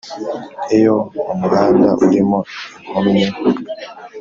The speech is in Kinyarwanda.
iyo umuhanda urimo inkomyi